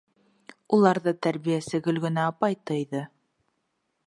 Уларҙы тәрбиәсе Гөлгөнә апай тыйҙы.